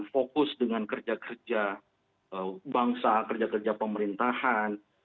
fokus dengan kerja kerja bangsa kerja kerja pemerintahan